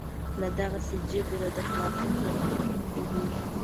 له دغسې جبره د خلاصون په هنر نه پوهېږي.